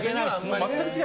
全く違う。